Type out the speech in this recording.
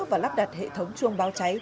và lắp đặt hệ thống chuông bao cháy